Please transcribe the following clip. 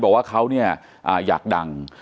บอกว่าเขาเนี่ยอยากดัง